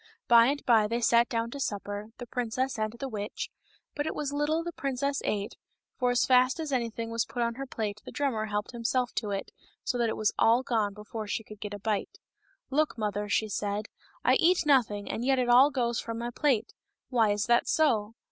By and by they sat down to supper, the princess and the witch, but it was little the princess ate, for as fast as anything was put on her plate the drummer helped himself to it, so that it was all gone before she could get a bite. " Look, mother !*' she said, " I eat nothing, and yet it all goes from my plate ; why is that so